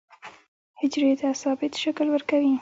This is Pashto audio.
حجرې ته ثابت شکل ورکوي.